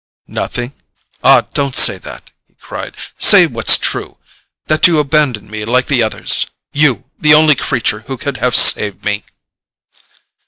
"Nothing? Ah, don't say that," he cried; "say what's true: that you abandon me like the others. You, the only creature who could have saved me!"